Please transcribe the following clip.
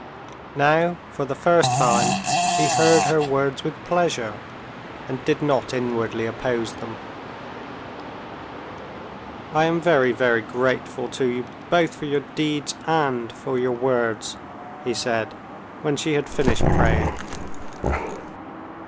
Now for the first time he heard her words with pleasure, and did not inwardly oppose them. "I am very, very grateful to you, both for your deeds and for your words," he said, when she had finished praying.